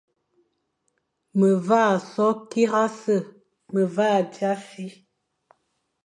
Me vagha so kirase, mé vagha dia si,